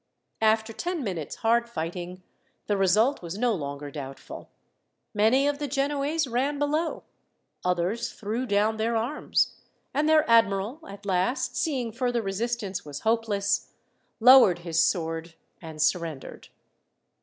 After ten minutes' hard fighting, the result was no longer doubtful. Many of the Genoese ran below. Others threw down their arms, and their admiral, at last, seeing further resistance was hopeless, lowered his sword and surrendered.